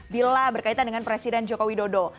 bila berkaitan dengan presiden joko widodo